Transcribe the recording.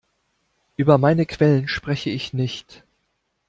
Über meine Quellen spreche ich nicht.